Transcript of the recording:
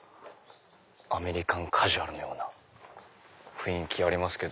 アメリカンカジュアルのような雰囲気ありますけど。